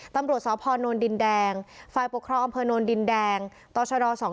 ตำรวจสพนดินแดงฟปอนดินแดงตช๒๑๕